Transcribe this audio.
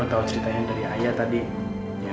atau sebagian dari waktu kamu